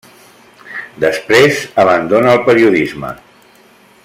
Després abandona el periodisme.